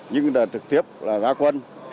nhưng trực tiếp ra quân